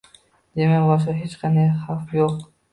Demak, boshqa hech qanday xavf yo‘q